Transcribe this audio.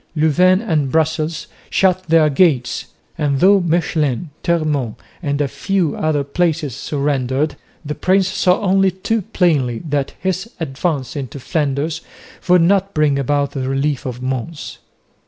Louvain and Brussels shut their gates, and though Mechlin, Termonde and a few other places surrendered, the prince saw only too plainly that his advance into Flanders would not bring about the relief of Mons.